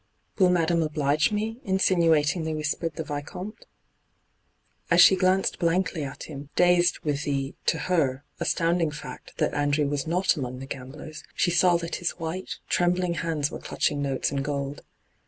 ' Will madame oblige me ?' insinuatingly whispered the Vicomte. And as she glanced blankly at him, dazed with the, to her, astounding fact that Andrew was not among the gamblers, she saw that his white, trembling hands were clutching notes and gold.